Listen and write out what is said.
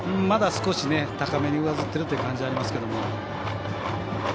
まだ少し高めに上ずってるという感じがありますけども。